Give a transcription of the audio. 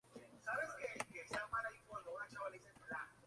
Es actualmente el escritor en jefe de Hora de Aventura.